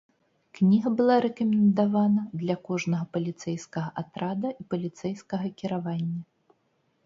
Кніга была рэкамендавана для кожнага паліцэйскага атрада і паліцэйскага кіравання.